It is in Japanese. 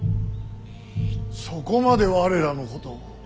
そこまで我らのことを。